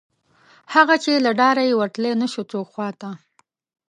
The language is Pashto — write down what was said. هغه، چې له ډاره یې ورتلی نشو څوک خواته